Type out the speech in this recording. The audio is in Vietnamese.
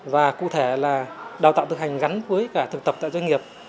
và cụ thể là đào tạo thực hành gắn với cả thực tập tại doanh nghiệp